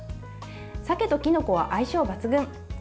鮭ときのこは相性抜群。